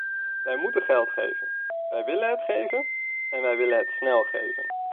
Wij moeten geld geven, wij willen het geven en wij willen het snel geven.